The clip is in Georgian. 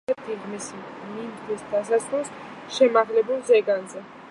მტკვრის მარჯვენა ნაპირზე, სადგურ ზაჰესის გაღმა, დიღმის მინდვრის დასასრულს, შემაღლებულ ზეგანზე.